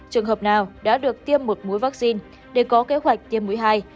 trường hợp nào đã được tiêm một mũi vaccine để có kế hoạch tiêm mũi hai